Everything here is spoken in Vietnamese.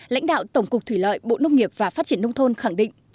lãnh đạo tổng cục thủy lợi bộ nông nghiệp và phát triển nông thôn khẳng định